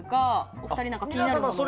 お二人、気になるものは？